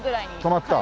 泊まった？